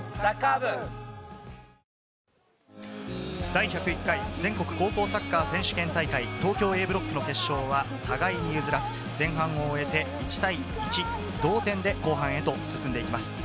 第１０１回全国高校サッカー選手権大会、東京Ａブロックの決勝は、互いに譲らず前半を終えて１対１、同点で後半へと進んでいきます。